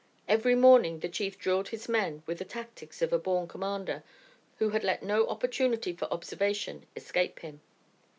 Every morning the chief drilled his men with the tactics of a born commander who had let no opportunity for observation escape him.